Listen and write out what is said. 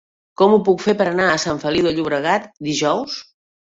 Com ho puc fer per anar a Sant Feliu de Llobregat dijous?